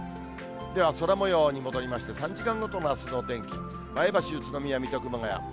では、空もように戻りまして、３時間ごとのあすのお天気、前橋、宇都宮、水戸、熊谷。